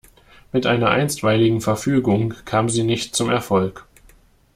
Mit einer Einstweiligen Verfügung kamen sie nicht zum Erfolg.